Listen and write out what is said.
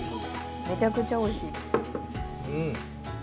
めちゃくちゃおいしい。